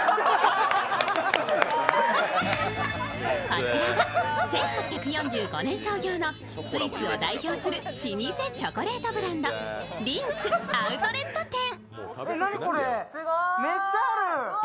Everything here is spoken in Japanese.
こちらは１８４５年創業のスイスを代表する老舗チョコレートブランド、リンツアウトレット店。